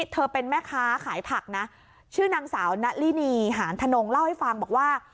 เธอเป็นแม่ค้าขายผักนะชื่อนางสาวณลินีหานธนงเล่าให้ฟังบอกว่า